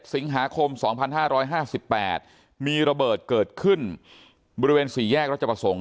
สิงหาคม๒๕๕๘มีระเบิดเกิดขึ้นบริเวณ๔แยกรัชประสงค์